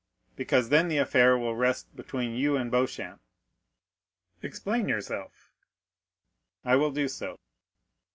"Because then the affair will rest between you and Beauchamp." "Explain yourself." "I will do so.